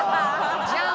「じゃん」